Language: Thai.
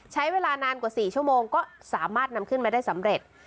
ใช้เวลานานกว่า๔ชั่วโมงก็สามารถนำขึ้นมาได้สำเร็จ